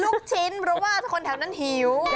ลูกชิ้นเพราะว่าคนแถวนั้นหิว